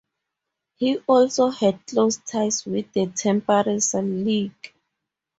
He also had close ties with the Temperance League.